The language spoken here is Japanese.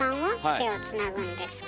手をつなぐんですか？